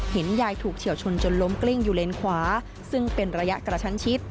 เห็นยายถูกเฉียวชนจนล้มกลิ้งอยู่เลนขวาซึ่งเป็นระยะกระชั้นชิด